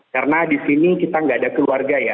karena di sini kita tidak ada keluarga ya